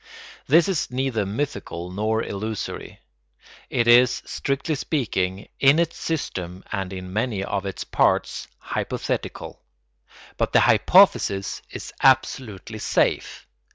This is neither mythical nor illusory. It is, strictly speaking, in its system and in many of its parts, hypothetical; but the hypothesis is absolutely safe.